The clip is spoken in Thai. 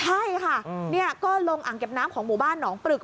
ใช่ค่ะก็ลงอ่างเก็บน้ำของหมู่บ้านหนองปรึก